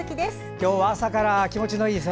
今日は朝から気持ちのいい空。